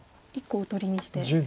１個おとりにして。